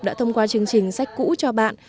đã thông qua chương trình sách cũ cho bạn